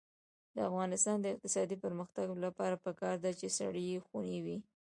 د افغانستان د اقتصادي پرمختګ لپاره پکار ده چې سړې خونې وي.